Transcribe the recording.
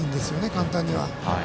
簡単には。